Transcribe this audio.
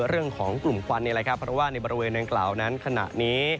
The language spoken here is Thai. เรื่องของกลุ่มควันนี่แหละครับเพราะว่าในบริเวณดังกล่าวนั้นขณะนี้